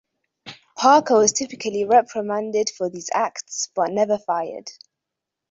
Parker was typically reprimanded for these acts but never fired.